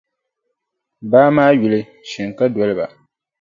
Baa maa yuli “Shinkadoliba.”.